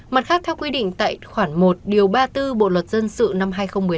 mặt khác theo quy định tại khoản một điều ba mươi bốn bộ luật dân sự năm hai nghìn một mươi năm